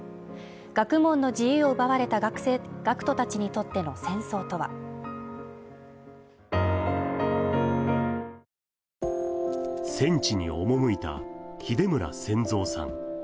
学問の自由を奪われた学徒たちにとっての戦争とは戦地に赴いた秀村選三さん